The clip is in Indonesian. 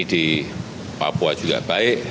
di papua juga baik